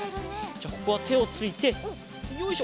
じゃあここはてをついてよいしょ。